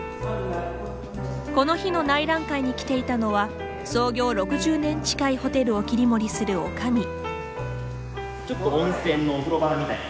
この日の内覧会に来ていたのは創業６０年近いホテルを切り盛りするおかみ。